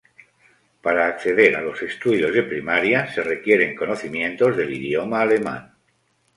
Para acceder a los estudios de primaria, se requieren conocimientos del idioma alemán.